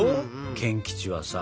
賢吉はさ。